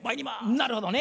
なるほどね。